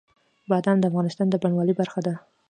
بادام د افغانستان د بڼوالۍ برخه ده.